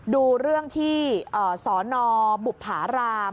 ดูเรื่องที่สนบุภาราม